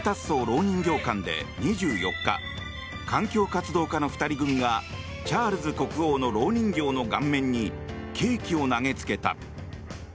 ろう人形館で２４日、環境活動家の２人組がチャールズ国王のろう人形の顔面にケーキを投げつけた。